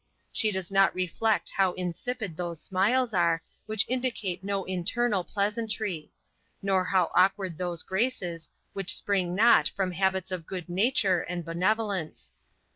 She does not reflect how insipid those smiles are, which indicate no internal pleasantry; nor how awkward those graces, which spring not from habits of good nature and benevolence.